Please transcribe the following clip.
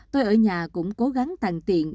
tôi ở nhà cũng cố gắng tặng tiện